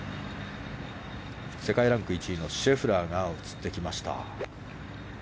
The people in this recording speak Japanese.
世界ランク１位のシェフラーが映ってきました。